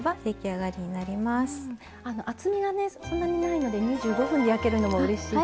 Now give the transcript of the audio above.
そんなにないので２５分で焼けるのもうれしいですね。